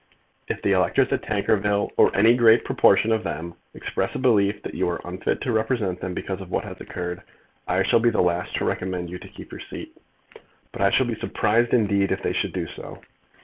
If the electors at Tankerville, or any great proportion of them, express a belief that you are unfit to represent them because of what has occurred, I shall be the last to recommend you to keep your seat; but I shall be surprised indeed if they should do so.